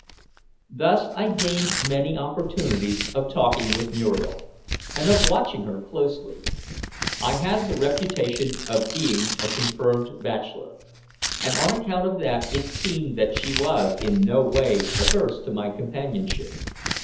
Thus I gained many opportunities of talking with Muriel, and of watching her closely. I had the reputation of being a confirmed bachelor, and on account of that it seemed that she was in no way averse to my companionship.